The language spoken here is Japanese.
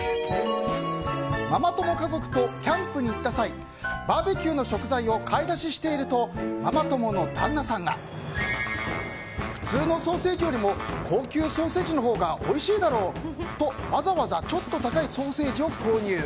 ママ友家族とキャンプに行った際バーベキューの食材を買い出ししているとママ友の旦那さんが普通のソーセージよりも高級ソーセージのほうがおいしいだろ！と、わざわざちょっと高いソーセージを購入。